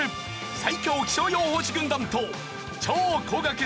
最強気象予報士軍団と超高学歴